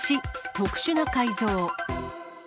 特殊な改造。